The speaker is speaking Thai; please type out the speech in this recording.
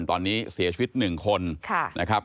ตอนนี้เสียชีวิต๑คนนะครับ